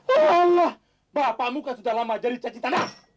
allah bapakmu kan sudah lama jadi cacitanah